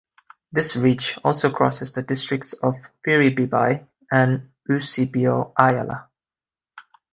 This ridge also crosses the districts of Piribebuy and Eusebio Ayala.